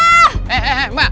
eh eh eh mbak